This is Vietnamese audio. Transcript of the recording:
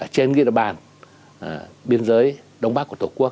trên ghi đồ bàn biên giới đông bắc của tổ quốc